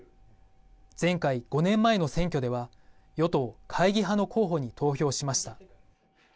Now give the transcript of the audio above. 前回、５年前の選挙では与党・会議派の候補に投票しました。